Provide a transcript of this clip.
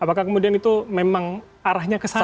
apakah kemudian itu memang arahnya ke sana